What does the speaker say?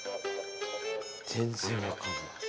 全然分かんない。